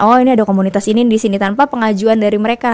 oh ini ada komunitas ini di sini tanpa pengajuan dari mereka